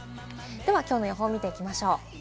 きょうの予報を見ていきましょう。